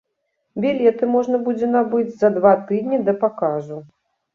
Білеты можна будзе набыць за два тыдні да паказу.